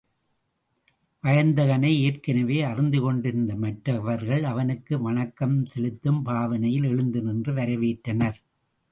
வயந்தகனை ஏற்கெனவே அறிந்து கொண்டிருந்த மற்றவர்கள், அவனுக்கு வணக்கம் செலுத்தும் பாவனையில் எழுந்து நின்று வரவேற்றனர்.